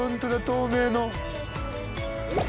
透明の。